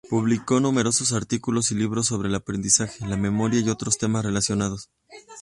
Publicó numerosos artículos y libros sobre el aprendizaje, la memoria y otros temas relacionados.